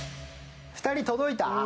２人届いた？